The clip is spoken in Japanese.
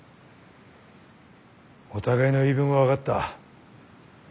お互いの言い分は分かった。